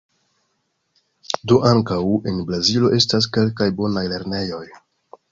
Do ankaŭ en Brazilo estas kelkaj bonaj lernejoj.